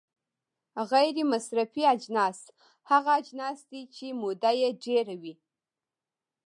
غیر مصرفي اجناس هغه اجناس دي چې موده یې ډیره وي.